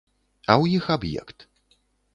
А ў іх аб'ект.